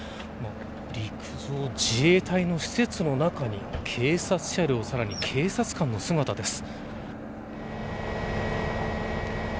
陸上自衛隊の施設の中に警察車両さらに警察官の姿です。